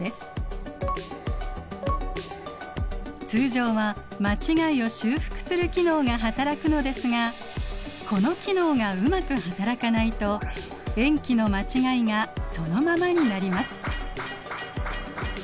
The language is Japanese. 通常は間違いを修復する機能が働くのですがこの機能がうまく働かないと塩基の間違いがそのままになります。